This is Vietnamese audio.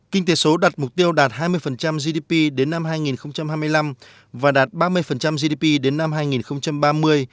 kinh tế số đặt mục tiêu đạt hai mươi gdp đến năm hai nghìn hai mươi năm và đạt ba mươi gdp đến năm hai nghìn ba mươi